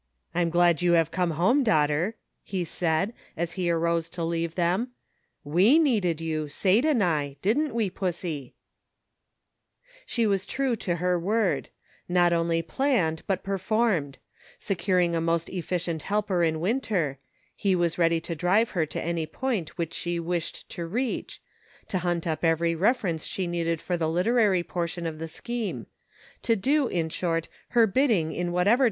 " I'm glad you have come home, daughter," he said, as he arose to leave them ;" we needed you, Sate and I, didn't we, Pussie .•" She was true to her word ; not only planned, but performed ; securing a most efficient helper in Winter ; he was ready to drive her to any point which she wished to reach ; to hunt up every refer ence she needed for the literary portion of the scheme ; to do, in short, her bidding in whatever PROGRESS.